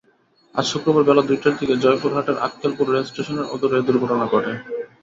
আজ শুক্রবার বেলা দুইটার দিকে জয়পুরহাটের আক্কেলপুর রেলস্টেশনের অদূরে এ দুর্ঘটনা ঘটে।